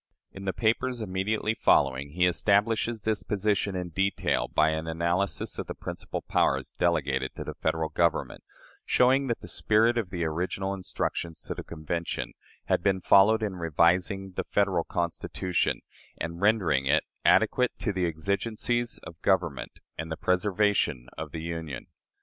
" In the papers immediately following, he establishes this position in detail by an analysis of the principal powers delegated to the Federal Government, showing that the spirit of the original instructions to the Convention had been followed in revising "the Federal Constitution" and rendering it "adequate to the exigencies of government and the preservation of the Union."